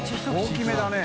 大きめだね。